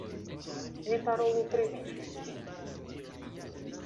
Ni parolu pri vi, ŝi diris.